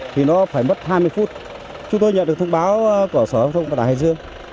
thì nó phải mất hai mươi phút chúng tôi nhận được thông báo của sở thông vận tải hải dương